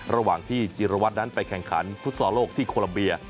ระหว่างที่จิรวัตรนั้นไปแข่งขันฟุตซอลโลกที่โคลัมเบีย